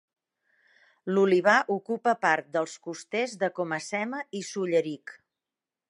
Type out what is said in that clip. L'olivar ocupa part dels costers de Coma-sema i Solleric.